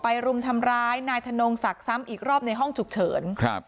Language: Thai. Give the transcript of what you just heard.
รุมทำร้ายนายธนงศักดิ์ซ้ำอีกรอบในห้องฉุกเฉินครับ